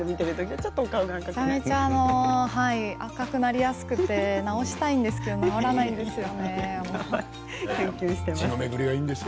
めちゃくちゃ赤くなりやすくて直したいんですけど血の巡りがいいんですよ。